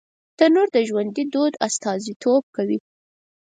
تنور د ژوندي دود استازیتوب کوي